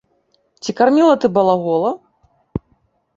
Ці карміла ты балагола?